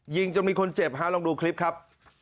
ยิงจนมีคนเจ็บฮะลองดูคลิปครับ